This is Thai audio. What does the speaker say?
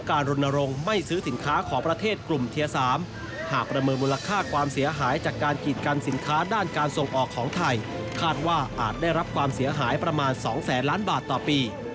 คาดว่าอาจได้รับความเสียหายประมาณ๒๐๐ล้านบาทต่อปี